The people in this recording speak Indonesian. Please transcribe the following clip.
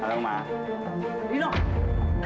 kamu tuh kebohongan